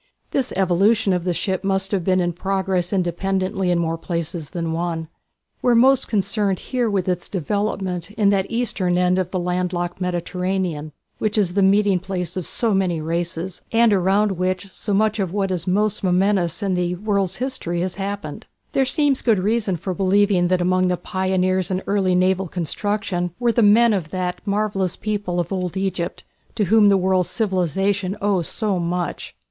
This evolution of the ship must have been in progress independently in more places than one. We are most concerned with its development in that eastern end of the land locked Mediterranean, which is the meeting place of so many races, and around which so much of what is most momentous in the world's history has happened. There seems good reason for believing that among the pioneers in early naval construction were the men of that marvellous people of old Egypt to whom the world's civilization owes so much.